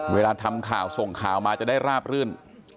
เวลาทำข่าวส่งข่าวมาจะได้ราบรื่น